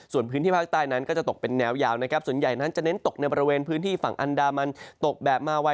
ส่วนพื้นที่ภาคใต้นั้นก็จะตกเป็นแนวยาวนะครับ